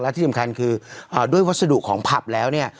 ที่สำคัญคือด้วยวัสดุของผับแล้วเนี่ย